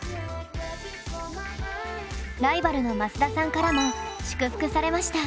ライバルの増田さんからも祝福されました。